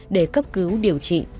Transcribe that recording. để cấp cứu điều trị